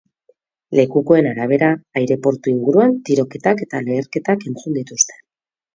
Lekukoen arabera, aireportu inguruan tiroketak eta leherketak entzun dituzte.